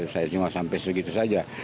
saya cuma sampai segitu saja